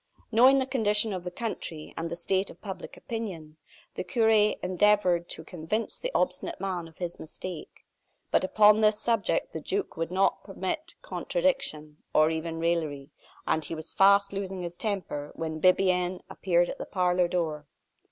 Knowing the condition of the country, and the state of public opinion, the cure endeavored to convince the obstinate man of his mistake; but upon this subject the duke would not permit contradiction, or even raillery; and he was fast losing his temper, when Bibiaine appeared at the parlor door.